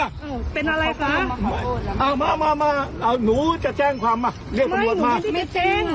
อ้าวเป็นอะไรคะอ้าวมามามามาอ้าวหนูจะแจ้งความอ่ะไม่หนูไม่ได้จะแจ้ง